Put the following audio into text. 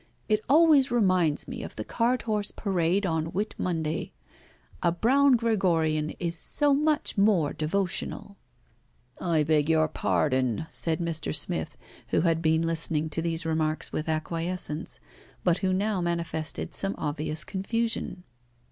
It always reminds me of the cart horse parade on Whit Monday. A brown Gregorian is so much more devotional." "I beg your pardon," said Mr. Smith, who had been listening to these remarks with acquiescence, but who now manifested some obvious confusion.